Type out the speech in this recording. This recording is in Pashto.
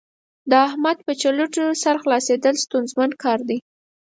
د احمد په چلوټو سر خلاصېدل ستونزمن کار دی.